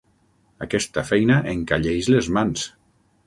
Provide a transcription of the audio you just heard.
Aquesta feina encalleix les mans!